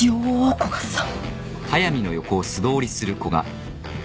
古賀さん！